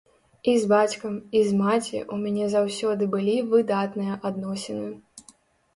І з бацькам, і з маці ў мяне заўсёды былі выдатныя адносіны.